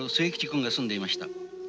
君が住んでいました。